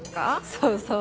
そうそう。